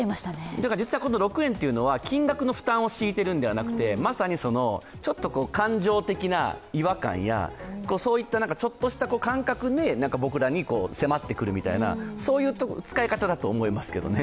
だから、６円というのは金額の負担を強いているのではなくてまさにちょっと感情的な違和感や、そういったちょっとした感覚に僕らに迫ってくるみたいなそういう使い方だと思いますけどね。